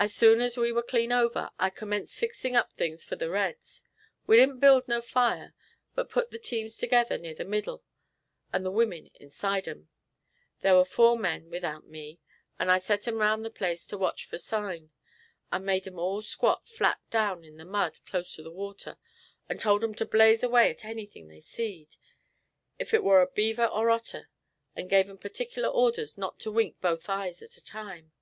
As soon as we war clean over, I commenced fixing up things fur the reds. We didn't build no fire, but put the teams together near the middle, and the women inside 'em. There war four men without me, and I set 'em round the place to watch fur sign. I made 'em all squat flat down on the mud close to the water, and told 'em to blaze away at anything they seed, ef it war a beaver or otter, and gave 'em pertickler orders not to wink both eyes at a time.